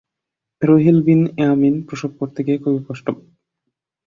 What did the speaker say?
রাহীল বিন-য়ামীন প্রসব করতে গিয়ে খুবই কষ্ট পান।